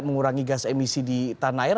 mengurangi gas emisi di tanah air